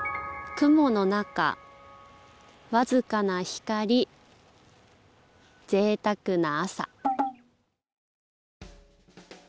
「雲の中わずかな光ぜいたくな朝」。